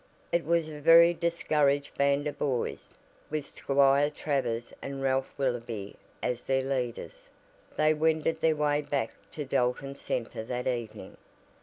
It was a very discouraged band of boys, with Squire Travers and Ralph Willoby as their leaders, that wended their way back to Dalton Center that evening.